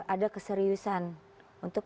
ada keseriusan untuk